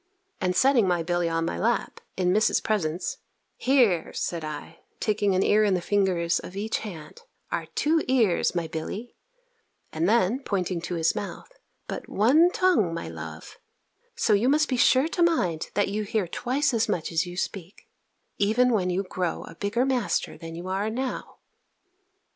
And setting my Billy on my lap, in Miss's presence "Here," said I, taking an ear in the fingers of each hand, "are two ears, my Billy," and then, pointing to his mouth, "but one tongue, my love; so you must be sure to mind that you hear twice as much as you speak, even when you grow a bigger master than you are now."